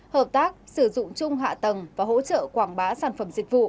hợp tác sử dụng chung hạ tầng và hỗ trợ quảng bá sản phẩm dịch vụ